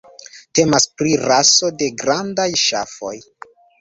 Temas pri raso de grandaj ŝafoj.